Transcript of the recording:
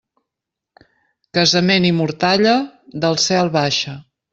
Casament i mortalla, del cel baixa.